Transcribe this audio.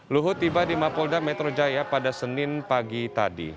luhut tiba di mapolda metro jaya pada senin pagi tadi